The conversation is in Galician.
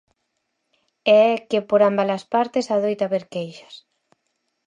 E é que por ambas as partes adoita haber queixas.